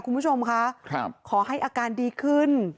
คุณผู้ชมค่ะขอให้อาการดีขึ้น